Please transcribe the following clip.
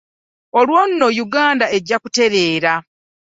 Olwo ne Uganda ejja kutereera